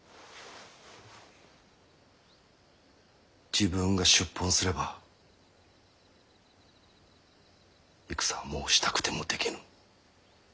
自分が出奔すれば戦はもうしたくてもできぬ。